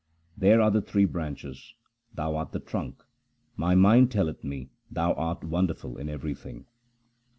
There are three branches, 1 Thou art the trunk : my mind telleth me Thou art wonderful in everything.